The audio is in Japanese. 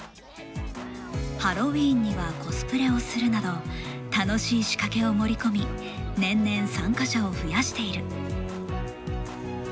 ハロウィーンにはコスプレをするなど楽しい仕掛けを盛り込み年々、参加者を増やしている。